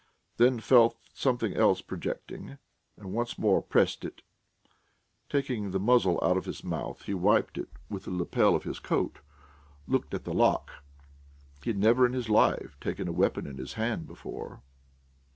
Then felt something else projecting, and once more pressed it. Taking the muzzle out of his mouth, he wiped it with the lapel of his coat, looked at the lock. He had never in his life taken a weapon in his hand before....